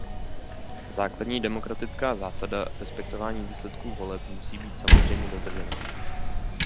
Základní demokratická zásada respektování výsledků voleb musí být samozřejmě dodržena.